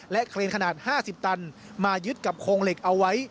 เครนขนาด๕๐ตันมายึดกับโครงเหล็กเอาไว้